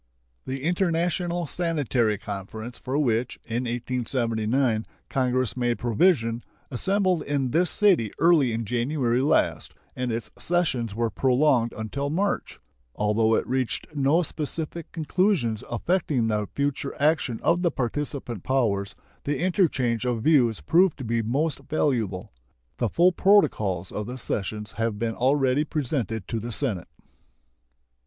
The International Sanitary Conference for which, in 1879, Congress made provision assembled in this city early in January last, and its sessions were prolonged until March. Although it reached no specific conclusions affecting the future action of the participant powers, the interchange of views proved to be most valuable. The full protocols of the sessions have been already presented to the Senate.